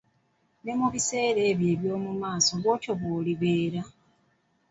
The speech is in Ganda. Ne mu biseera byo eby'omu maaso bw'otyo bw'olibeera.